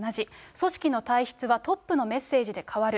組織の体質はトップのメッセージで変わる。